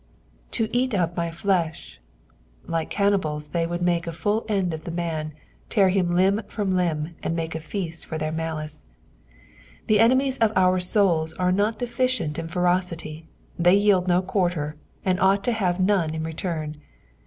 " To eat vp mf/Jlah," like cannibals they would make a full end uf the man, tear him limb from limb, and make a feast for their malice. The enemiea of our souls are not deflcient in ferocity, they yield no quarter, and ouglit to have none in return.